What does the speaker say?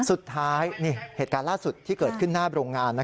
สุดท้ายนี่เหตุการณ์ล่าสุดที่เกิดขึ้นหน้าโรงงาน